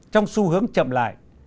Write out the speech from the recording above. trong xu hướng chậm lại